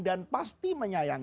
dan pasti penyayangnya